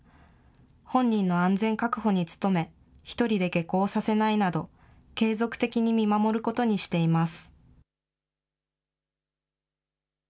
本人の安全確保に努め、１人で下校させないなど、継続的に見守ることにしています。